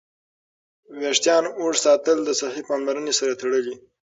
ویښتان اوږد ساتل د صحي پاملرنې سره تړلي.